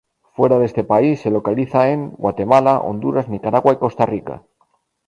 Fuera de este país, se localiza en; Guatemala, Honduras, Nicaragua y Costa Rica.